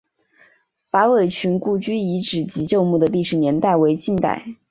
韦拔群故居遗址及旧墓的历史年代为近代。